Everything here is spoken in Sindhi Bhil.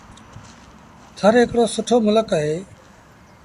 ٿر هڪڙو سُٺو ملڪ اهي